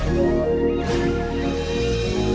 bahwa sedatubnya hasilnya